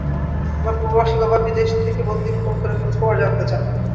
আমাদের প্রবাসী বাবা বিদেশ থেকে প্রতিদিন ফোন করে খোঁজখবর জানতে চান।